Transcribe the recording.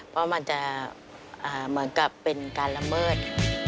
เพราะมันจะเหมือนกับเป็นการละเมิด